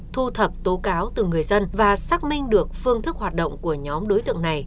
thu thập tố cáo từ người dân và xác minh được phương thức hoạt động của nhóm đối tượng này